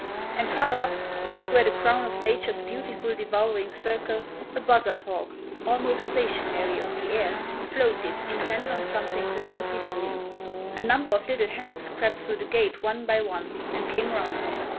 And far up, as it were the crown of Nature's beautiful devouring circle, a buzzard hawk, almost stationary on the air, floated, intent on something pleasant below him. A number of little hens crept through the gate one by one, and came round me.